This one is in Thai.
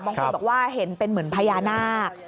บางคนบอกว่าเห็นเป็นเหมือนพญานาค